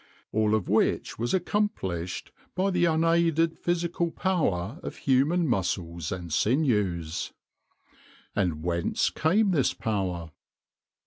All of which was accomplished by the unaided physical power of human muscles and sinews. And whence came this power?